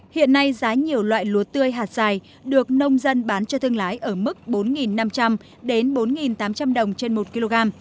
hiện nay giá nhiều loại lúa tươi hạt dài được nông dân bán cho thương lái ở mức bốn năm trăm linh đến bốn tám trăm linh đồng trên một kg